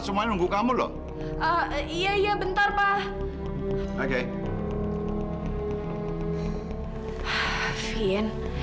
semoga dia terberries